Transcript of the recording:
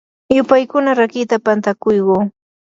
yupaykuna rakiita pantakuyquu.